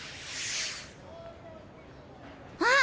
あっ！